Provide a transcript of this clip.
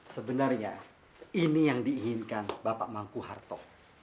sebenarnya ini yang diinginkan bapak mangku harto